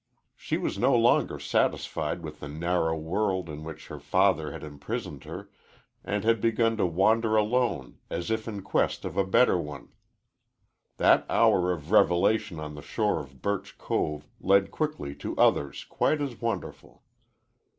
She was no longer satisfied with the narrow world in which her father had imprisoned her, and had begun to wander alone as if in quest of a better one. That hour of revelation on the shore of Birch Cove led quickly to others quite as wonderful.